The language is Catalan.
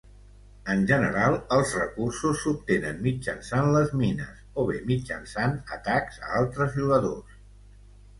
En general els recursos s'obtenen mitjançant les mines o bé mitjançant atacs a altres jugadors.